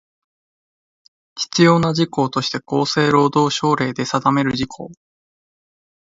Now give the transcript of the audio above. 必要な事項として厚生労働省令で定める事項